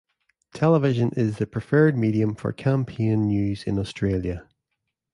Television is the preferred medium for campaign news in Australia.